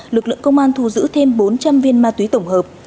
lực lượng công an thu giữ thêm bốn trăm linh viên ma túy tổng hợp